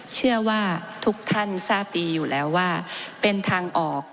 เชื่อว่าทุกท่านทราบดีอยู่แล้วว่าเป็นทางออก